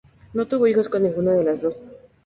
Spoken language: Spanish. No tuvo hijos con ninguna de las dos.